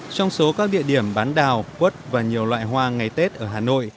trong số các địa điểm bán đào quất và nhiều loại hoa ngày tết ở hà nội